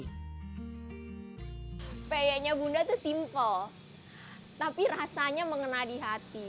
rempeyenya bunda tuh simple tapi rasanya mengena di hati